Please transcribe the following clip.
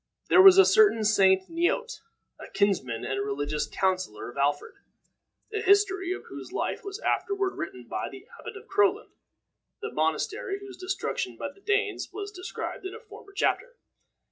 There was a certain Saint Neot, a kinsman and religious counselor of Alfred, the history of whose life was afterward written by the Abbot of Crowland, the monastery whose destruction by the Danes was described in a former chapter.